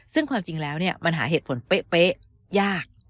ซึ่งความจริงแล้วมันหาเหตุผลเป๊ะยาก